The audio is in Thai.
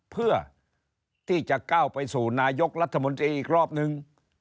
เพื่อที่จะก้าวไปสู่นายกรัฐมนตรีอีกรอบนึง